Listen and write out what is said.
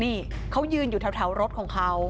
นี่เขายืนอยู่แถวรถของเขา